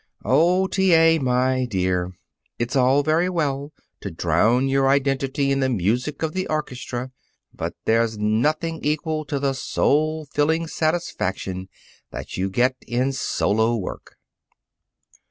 "Oh, T. A., my dear, it's all very well to drown your identity in the music of the orchestra, but there's nothing equal to the soul filling satisfaction that you get in solo work."